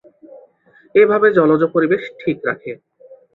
এভাবে জলজ পরিবেশ ঠিক রাখে।